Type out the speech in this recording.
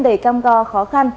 đầy cam go khó khăn